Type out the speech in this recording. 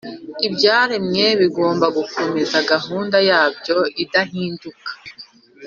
Ibyaremwe bigomba gukomeza gahunda yabyo idahinduka.